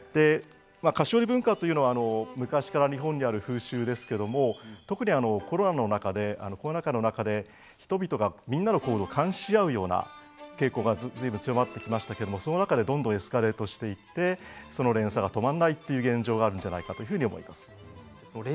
菓子折文化というのは昔から日本にある風習ですけれども特にコロナの中で人々が皆の行動を監視し合うような傾向がずいぶん強まってきましたけどその中でどんどんエスカレートしてその連鎖が止まらないという現状があるんじゃないかと思います。